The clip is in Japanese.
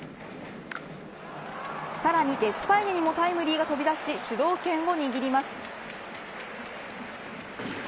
さらにデスパイネにもタイムリーが飛び出し主導権を握ります。